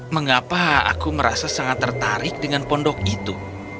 mengapa aku merasa sangat tertarik dengan pondok itu